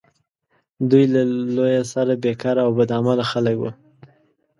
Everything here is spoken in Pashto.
دوی له لویه سره بیکاره او بد عمله خلک وه.